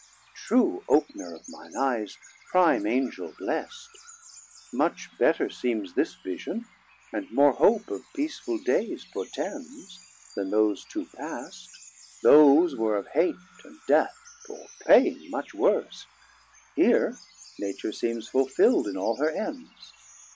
True opener of mine eyes, prime Angel blest, Much better seems this Vision, and more hope Of peaceful dayes portends, then those two past; Those were of hate and death, or pain much worse, Here Nature seems fulfilld in all her ends.